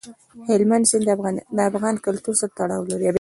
هلمند سیند د افغان کلتور سره تړاو لري.